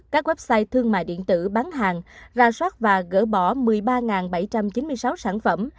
các website thương mại điện tử bán hàng ra soát và gỡ bỏ một mươi ba bảy trăm chín mươi sáu sản phẩm